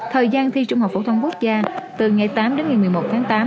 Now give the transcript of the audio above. thời gian thi trung học phổ thông quốc gia từ ngày tám đến ngày một mươi một tháng tám